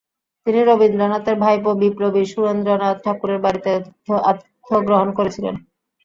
তিনি রবীন্দ্রনাথের ভাইপো বিপ্লবী সুরেন্দ্র নাথ ঠাকুরের বাড়িতে আতিথ্য গ্রহণ করেছিলেন।